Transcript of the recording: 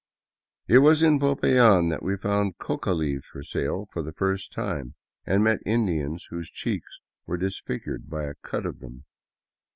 It was in Popayan that we found coca leaves for sale for the first time, and met Indians whose^cheeks were disfigured by a cud of them.